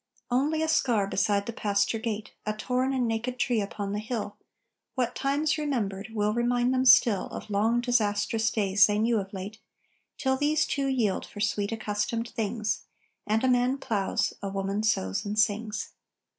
Only a scar beside the pasture gate, A torn and naked tree upon the hill, What times remembered, will remind them still Of long disastrous days they knew of late; Till these, too, yield for sweet, accustomed things, And a man ploughs, a woman sews and sings.